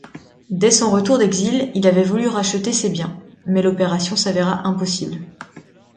Dès son retour d'exil, il avait voulu racheter ses biens, mais l'opération s'avéra impossible.